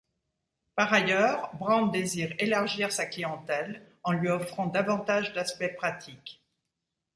Par ailleurs, Brown désire élargir sa clientèle en lui offrant davantage d'aspects pratiques.